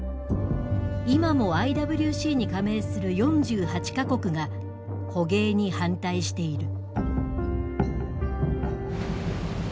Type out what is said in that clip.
今もＩＷＣに加盟する４８か国が捕鯨に反対している。